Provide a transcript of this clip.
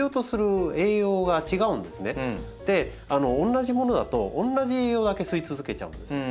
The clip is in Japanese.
同じものだと同じ栄養だけ吸い続けちゃうんですよ。